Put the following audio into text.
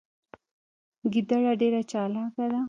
ګیدړه ډیره چالاکه ده